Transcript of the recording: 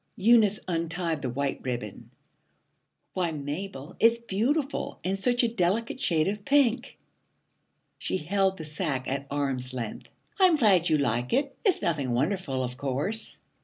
Eunice untied the white ribbon. 'Why, Mabel, it's beautiful, and such a delicate shade of pink!' She held the sack at arm's length. 'I'm glad you like it. It's nothing wonderful, of course.'